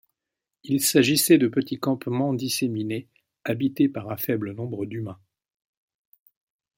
Il s'agissait de petits campements disséminés, habités par un faible nombre d'humains.